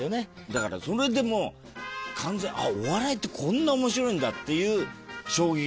だからそれでもう完全お笑いってこんな面白いんだっていう衝撃を受けて。